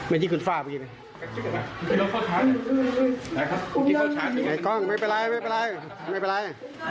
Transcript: ไอ้กล้องไม่เป็นไร